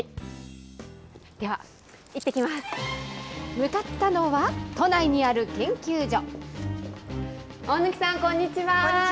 向かったのは、都内にある研究所。